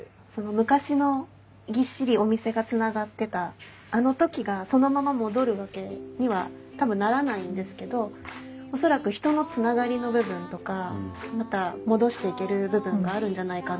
昔のぎっしりお店がつながってたあの時がそのまま戻るわけには多分ならないんですけど恐らく人のつながりの部分とかまた戻していける部分があるんじゃないかなと思っていて。